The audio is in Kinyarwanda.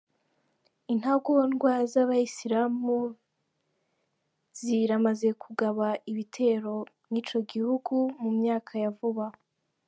Intagondwa z'aba Islamu ziramaze kugaba ibitero mw'ico gihugu mu myaka ya vuba.